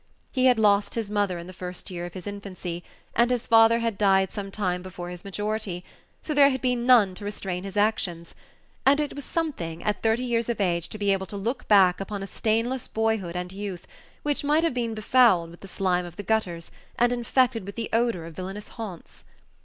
He had lost his mother in the first year of his infancy, and his father had died some time before his majority; so there had been none to restrain his actions, and it was something at thirty years of age to be able to look back upon a stainless boyhood and youth, which might have been befouled with the slime of the gutters, and infected with the odor of villanous haunts?